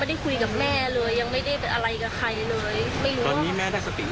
ก็ได้แล้วแต่ว่ายังเหนื่อยอยู่เพราะเขาพูดว่าเกิดเจ็บแผลเยอะ